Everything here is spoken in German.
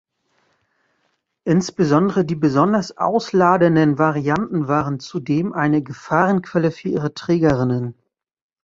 Insbesondere die besonders ausladenden Varianten waren zudem eine Gefahrenquelle für ihre Trägerinnen.